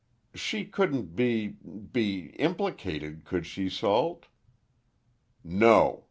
"She couldn't be—be implicated—could she, Salt?" "No!"